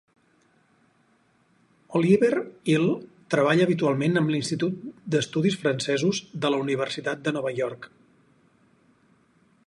Olivier Ihl treballa habitualment amb l'Institut d'Estudis Francesos de la Universitat de Nova York.